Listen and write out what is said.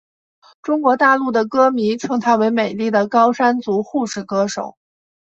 中国大陆的歌迷称她为美丽的高山族护士歌手。